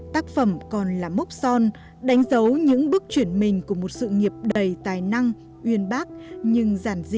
tác phẩm còn là mốc son đánh dấu những bước chuyển mình của một sự nghiệp đầy tài năng uyên bác nhưng giản dị